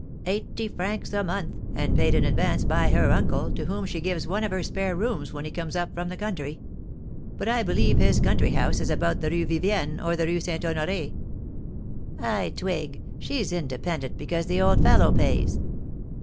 Eighty francs a month, and paid in advance by her uncle, to whom she gives one of her spare rooms when he comes up from the country. But I believe his country house is about the Rue Vivienne, or the Rue St. Honoré." "I twig! She's independent because the old fellow pays."